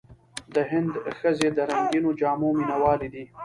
د هند ښځې د رنګینو جامو مینهوالې دي.